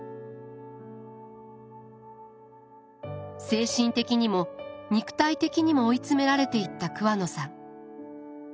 精神的にも肉体的にも追い詰められていった桑野さん。